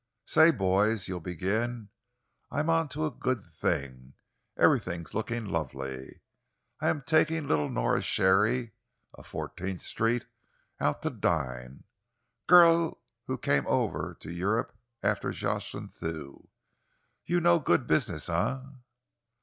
'Say, boys,' you'll begin, 'I'm on to a good thing! Everything's looking lovely. I'm taking little Nora Sharey, of Fourteenth Street, out to dine girl who came over to Europe after Jocelyn Thew, you know. Good business, eh?'"